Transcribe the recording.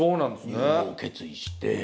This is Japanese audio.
入部を決意して。